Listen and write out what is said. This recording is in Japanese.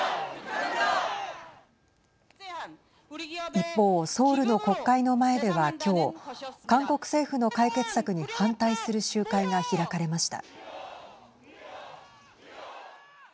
一方ソウルの国会の前では今日韓国政府の解決策に反対する集会が開かれました。